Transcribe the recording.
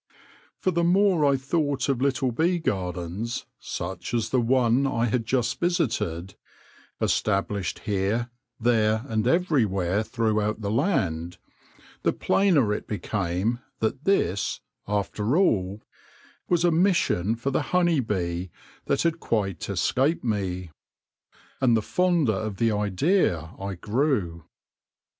" For the more I thought of little bee gardens, such as the one I had just visited, established here, there, and everywhere throughout the land, the plainer it became that this, after all, was a mission for the honey bee that had quite escaped me ; and the fonder of the idea I grew.